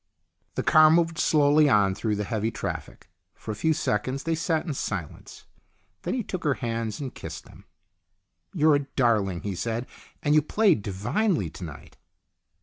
The car moved slowly on through the heavy traffic. For a few seconds they sat in silence. Then he took her hands and kissed them. "You're a darling," he said, "and you played divinely to night."